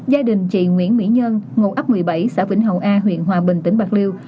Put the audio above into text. gia đình chị nguyễn mỹ nhân ngụ ấp một mươi bảy xã vĩnh hậu a huyện hòa bình tỉnh bạc liêu